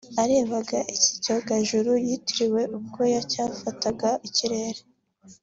Arebaga iki cyogajuru yitiriwe ubwo cyafataga ikirere